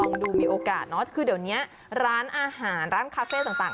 ดูมีโอกาสเนอะคือเดี๋ยวนี้ร้านอาหารร้านคาเฟ่ต่าง